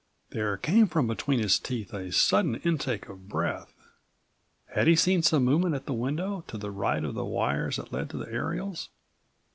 There came from between his teeth a sudden intake of breath. Had he seen some movement at the window to the right of the wires that led to the aerials?